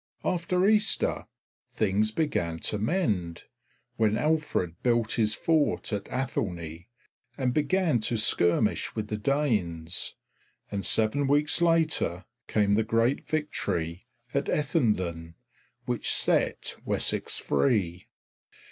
After Easter things began to mend, when Alfred built his fort at Athelney and began to skirmish with the Danes, and seven weeks later came the great victory at Ethandun, which set Wessex free.